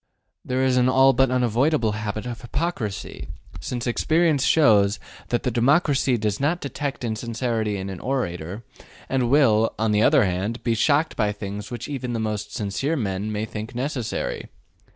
There is an all but unavoidable habit of hypocrisy, since experience shows that the democracy does not detect insincerity in an orator, and will, on the other hand, be shocked by things which even the most sincere men may think necessary.